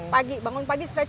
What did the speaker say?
pagi bangun pagi saya beban